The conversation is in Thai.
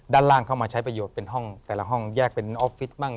ด้านล่างเข้ามาใช้ประโยชน์เป็นห้องแต่ละห้องแยกเป็นออฟฟิศมั่ง